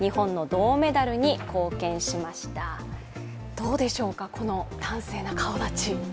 どうでしょうか、この端正な顔だち。